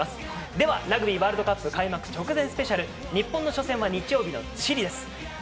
では、ラグビーワールドカップ開幕直前スペシャル日本の初戦は日曜日のチリです。